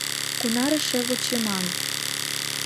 Кунар эше вучыман?